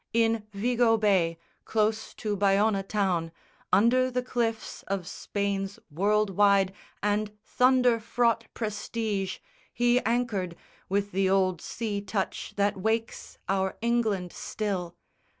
In Vigo bay, Close to Bayona town, under the cliffs Of Spain's world wide and thunder fraught prestige He anchored, with the old sea touch that wakes Our England still.